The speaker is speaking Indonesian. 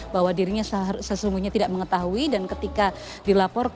bahwa dirinya sesungguhnya tidak mengetahui dan ketika dilapor ke